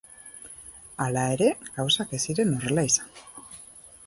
Hala ere, gauzak ez ziren horrela izan.